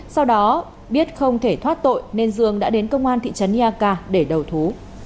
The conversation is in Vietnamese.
sau đó biết không thể thoát tội nên dung đã đến công an thị trấn ia ca để đầu thú